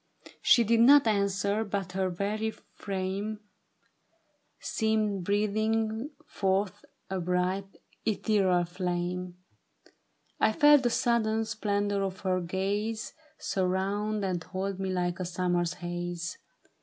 " She did not answer, but her very frame Seemed breathing forth a bright ethereal flame ; I felt the sudden splendor of her gaze Surround and hold me like a summer's haze.